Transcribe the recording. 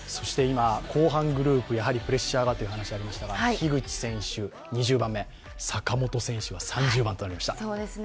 今、後半グループ、プレッシャーがという話がありましたが、樋口選手２０番目、坂本選手は３０番となりました。